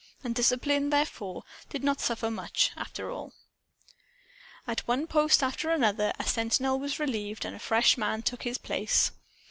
And discipline, therefore, did not suffer much, after all. At one post after another, a sentinel was relieved and a fresh man took his place.